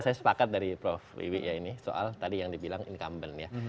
saya sepakat dari prof wiwi ya ini soal tadi yang dibilang incumbent ya